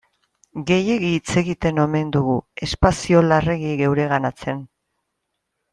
Gehiegi hitz egiten omen dugu, espazio larregi geureganatzen.